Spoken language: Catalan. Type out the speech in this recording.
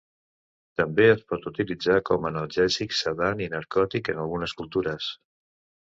També es pot utilitzar com a analgèsic, sedant i narcòtic en algunes cultures.